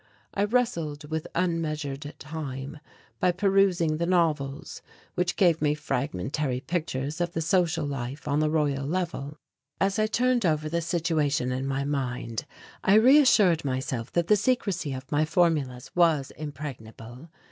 I wrestled with unmeasured time by perusing the novels which gave me fragmentary pictures of the social life on the Royal Level. As I turned over the situation in my mind I reassured myself that the secrecy of my formulas was impregnable.